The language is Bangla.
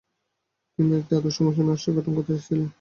তিনি একটি আদর্শ মুসলিম রাষ্ট্র গঠন করতে চেয়েছিলেন।